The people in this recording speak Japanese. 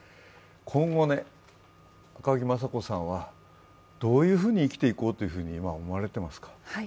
今後、赤木雅子さんはどういうふうに生きていこうと思われていますか？